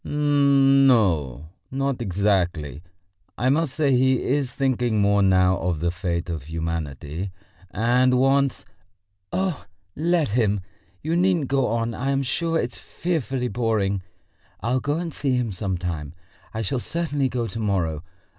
"N no, not exactly.... I must say he is thinking more now of the fate of humanity, and wants...." "Oh, let him! You needn't go on! I am sure it's fearfully boring. I'll go and see him some time. I shall certainly go to morrow.